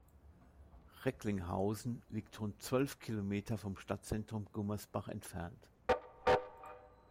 Recklinghausen liegt rund zwölf Kilometer vom Stadtzentrum Gummersbach entfernt.